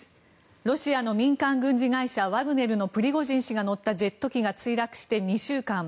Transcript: ロシアの民間軍事会社ワグネルのプリゴジン氏が乗ったジェット機が墜落して２週間。